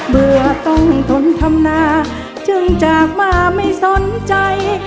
เมื่อต้องทนธรรมนาจึงจากมาไม่สนใจ